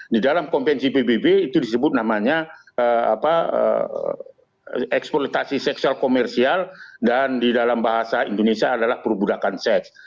di dalam konvensi pbb itu disebut namanya eksploitasi seksual komersial dan di dalam bahasa indonesia adalah perbudakan seks